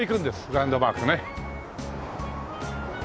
ランドマークね。